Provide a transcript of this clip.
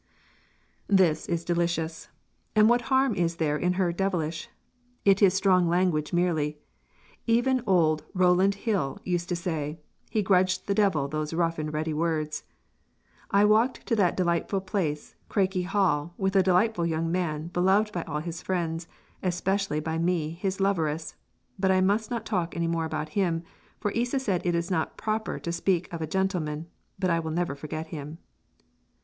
This is delicious; and what harm is there in her "Devilish"? it is strong language merely; even old Rowland Hill used to say "he grudged the Devil those rough and ready words." "I walked to that delightful place Crakyhall with a delightful young man beloved by all his friends especially by me his loveress, but I must not talk any more about him for Isa said it is not proper for to speak of gentalmen but I will never forget him!